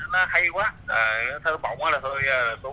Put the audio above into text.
đi ra cái hướng này